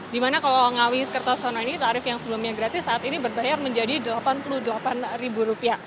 di mana kalau ngawi kertosono ini tarif yang sebelumnya gratis saat ini berbayar menjadi rp delapan puluh delapan